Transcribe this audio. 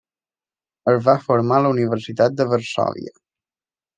Es va formar a la Universitat de Varsòvia.